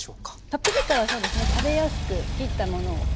パプリカはそうですね食べやすく切ったものを。